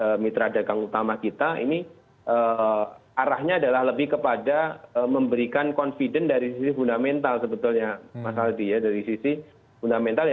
tapi dengan negara negara utama kita ini arahnya adalah lebih kepada memberikan confidence dari sisi fundamental sebetulnya mas aldi ya dari sisi fundamental